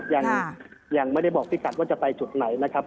ยังไม่ได้บอกพี่สัตว์ว่าจะไปจุดหน่อย